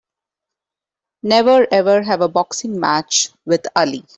Never ever have a boxing match with Ali!